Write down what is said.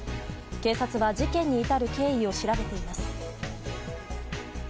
警察は事件に至る経緯を調べています。